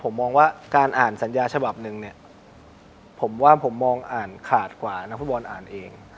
ผมว่าการอ่านสัญญาชบับนึงผมว่ามองอ่านขาดกว่านักฟุตบอลอ่านเอง